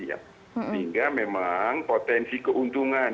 sehingga memang potensi keuntungan